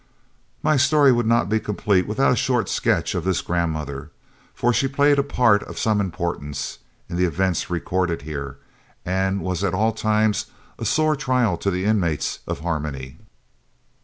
My story would not be complete without a short sketch of this grandmother, for she played a part of some importance in the events recorded here, and was at all times a sore trial to the inmates of Harmony.